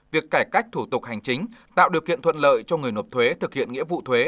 việc cải cách thủ tục hành chính tạo điều kiện thuận lợi cho người nộp thuế thực hiện nghĩa vụ thuế